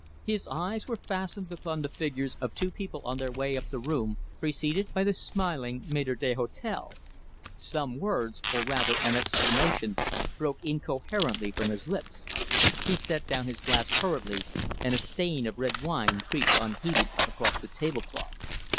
His eyes were fastened upon the figures of two people on their way up the room, preceded by the smiling maître d'hôtel. Some words, or rather an exclamation, broke incoherently from his lips. He set down his glass hurriedly, and a stain of red wine crept unheeded across the tablecloth.